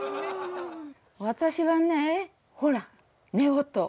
私はねほら寝言。